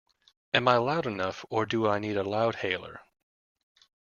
Am I loud enough, or do I need a loudhailer?